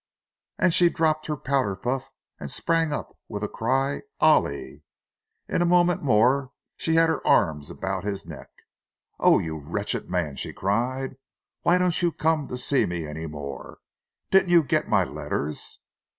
And she dropped her powder puff, and sprang up with a cry—"Ollie!" 'In a moment more she had her arms about his neck. "Oh, you wretched man," she cried. "Why don't you come to see me any more? Didn't you get my letters?"